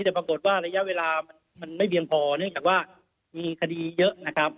แต่ปรากฏว่าระยะเวลามันไม่เพียงพอเนื่องจากว่ามีคดีเยอะนะครับ